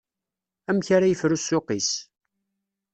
Amek ara yefru ssuq-is.